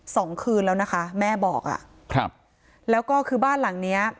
สองคืนแล้วนะคะแม่บอกอ่ะครับแล้วก็คือบ้านหลังเนี้ย